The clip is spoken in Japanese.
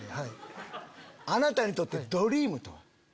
あなたにとってドリームとは？